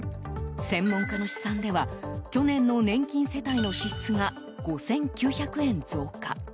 専門家の試算では去年の年金世帯の支出が５９００円増加。